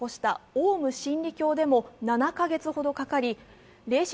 オウム真理教でも７か月ほどかかり霊視